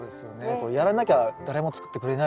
これやらなきゃ誰も作ってくれないし。